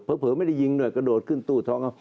เผลอไม่ได้ยิงหน่อยก็โดดขึ้นตู้ท้อง